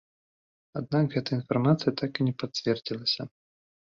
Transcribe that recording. Аднак, гэтая інфармацыя так і не пацвердзілася.